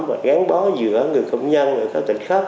và gắn bó giữa người công dân ở các tỉnh khác